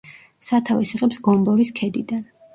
სათავეს იღებს გომბორის ქედიდან.